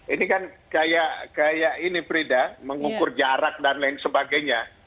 ini kan kayak ini frida mengukur jarak dan lain sebagainya